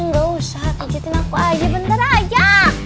gak usah kecilin aku aja bentar aja